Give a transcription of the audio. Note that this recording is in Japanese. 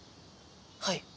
はい。